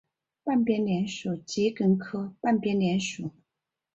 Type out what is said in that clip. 半边莲属桔梗科半边莲属。